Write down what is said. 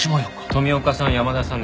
富岡さん山田さん